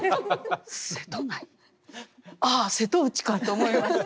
瀬戸内ああ瀬戸内かと思いました。